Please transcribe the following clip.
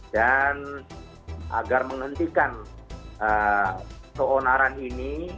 dan agar menghentikan keonaran ini